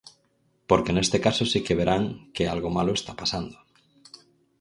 Porque neste caso si que verán que algo malo está pasando.